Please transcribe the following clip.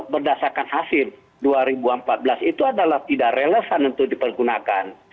berdasarkan hasil dua ribu empat belas itu adalah tidak relevan untuk dipergunakan